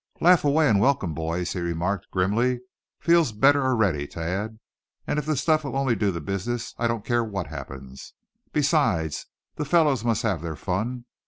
"Laugh away and welcome, boys," he remarked, grimly. "Feels better already, Thad, and if the stuff will only do the business I don't care what happens. Besides, the fellows must have their fun.